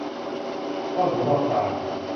รอดหูรอดตา